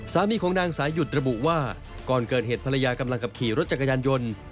สามีของนางสายหยุดระบุว่าก่อนเกิดเหตุภรรยากำลังขับขี่รถจักรยานยนต์